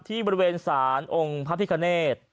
บริเวณศาลองค์พระพิคเนธ